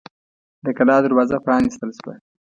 د کلا دروازه پرانیستل شوه.